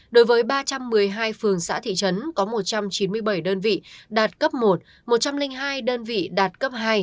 đối với ba trăm một mươi hai phường xã thị trấn có một trăm chín mươi bảy đơn vị đạt cấp một một trăm linh hai đơn vị đạt cấp hai